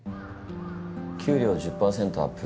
給料１０％アップ